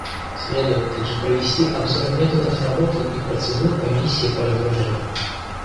Следует также провести обзор методов работы и процедур Комиссии по разоружению.